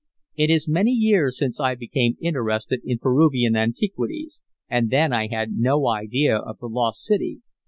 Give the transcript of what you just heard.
"It is many years since I became interested in Peruvian antiquities, and then I had no idea of the lost city.